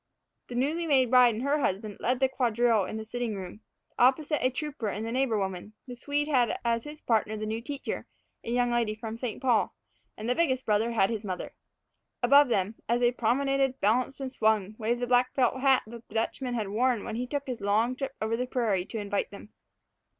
The newly made bride and her husband led the quadrille in the sitting room, opposite a trooper and the neighbor woman; the Swede had as his partner the new teacher, a young lady from St. Paul; and the biggest brother had his mother. Above them, as they promenaded, balanced, and swung, waved the black felt hat that the Dutchman had worn when he took his long trip over the prairie to invite them.